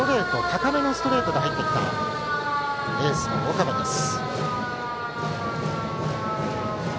高めのストレートで入ってきたエースの岡部です。